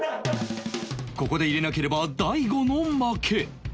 ここで入れなければ大悟の負け